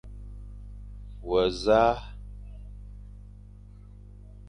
We nẑa ?